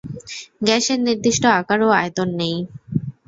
গ্যাসের নির্দিষ্ট আকার ও আয়তন নেই।